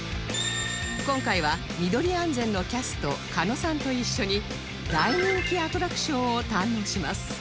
今回はミドリ安全のキャスト鹿野さんと一緒に大人気アトラクションを堪能します